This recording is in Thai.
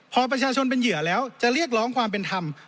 พอประชาชนเป็นเหยื่อแล้วจะเรียกร้องความเป็นธรรม